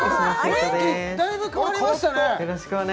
雰囲気だいぶ変わりましたね！